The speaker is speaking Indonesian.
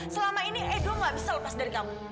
selama ini ego gak bisa lepas dari kamu